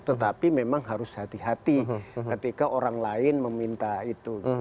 tetapi memang harus hati hati ketika orang lain meminta itu